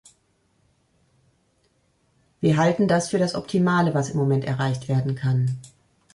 Wir halten das für das optimale, was im Moment erreicht werden kann.